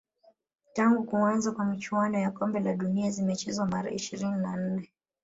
tangu kuanza kwa michuano ya kombe la dunia zimechezwa mara ishiri na nne